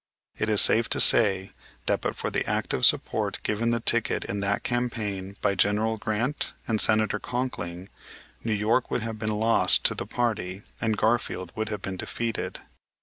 It is safe to say that, but for the active support given the ticket in that campaign by General Grant and Senator Conkling, New York would have been lost to the party and Garfield would have been defeated.